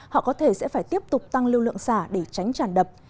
họ có thể sẽ phải tiếp tục tăng lưu lượng xả để tránh tràn đập